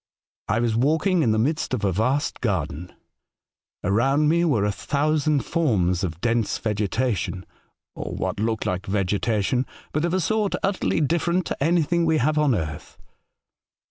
I was walking in the midst of a vast garden. Around me were a thousand forms of dense vegetation — or what looked like vegetation — but of a sort utterly different to anything we have on earth.